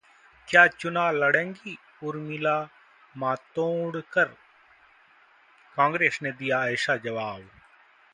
क्या चुनाव लड़ेंगी उर्मिला मातोंडकर? कांग्रेस ने दिया ऐसा जवाब